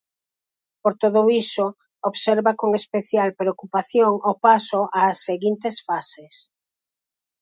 Por todo iso, observa con especial preocupación o paso ás seguintes fases.